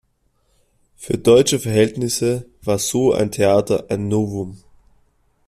Für deutsche Verhältnisse war so ein Theater ein Novum.